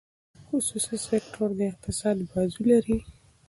خصوصي سکتور د اقتصاد بازو دی.